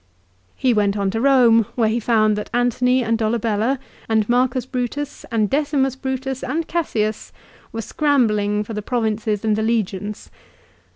He went on to Eome where he found that Antony and Dolabella and Marcus Brutus and Decimus Brutus and Cassius were scrambling for the provinces and the legions.